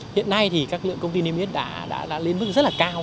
hiện nay thì các lượng công ty niêm yết đã lên mức rất là cao